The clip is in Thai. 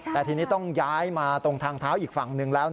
แต่ทีนี้ต้องย้ายมาตรงทางเท้าอีกฝั่งหนึ่งแล้ว